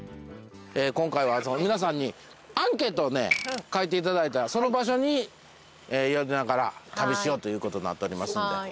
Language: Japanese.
今回は皆さんにアンケートを書いていただいたその場所に寄りながら旅しようということなっておりますんで。